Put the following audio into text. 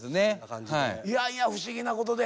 いやいや不思議なことで。